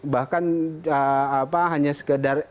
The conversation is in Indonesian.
bahkan hanya sekedar